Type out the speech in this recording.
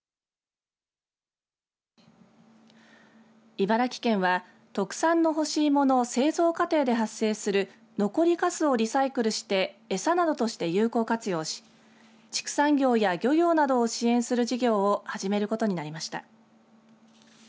茨城県は特産の干しいもの製造過程で発生する残りかすをリサイクルして餌などとして有効活用し畜産業や漁業など支援する事業を始めることになりました。